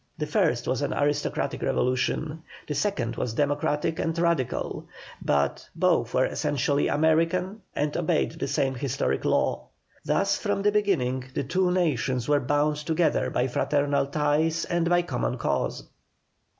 The first was an aristocratic revolution, the second was democratic and radical; but, both were essentially American and obeyed the same historic law. Thus from the beginning, the two nations were bound together by fraternal ties and by a common cause.